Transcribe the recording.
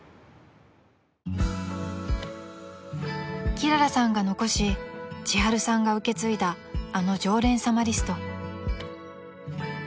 ［きららさんが残しちはるさんが受け継いだあの「常連様リスト」］